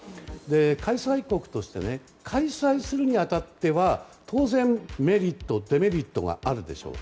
開催国として開催するに当たっては当然、メリットデメリットがあるでしょう。